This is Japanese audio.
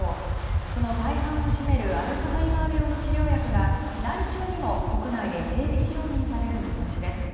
その大半を占めるアルツハイマー病の治療薬が来週にも国内で正式承認される見通しです。